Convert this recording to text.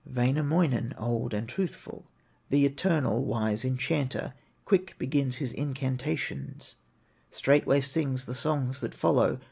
Wainamoinen, old and truthful, The eternal, wise enchanter, Quick begins his incantations, Straightway sings the songs that follow.